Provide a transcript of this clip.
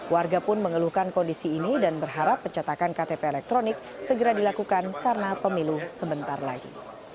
warga pun mengeluhkan kondisi ini dan berharap pencetakan ktp elektronik segera dilakukan karena pemilu sebentar lagi